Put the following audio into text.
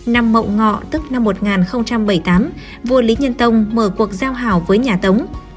năm mậu ngọ tức năm một nghìn bảy mươi tám vua lý nhân tông mở cuộc giao hảo với nhà tống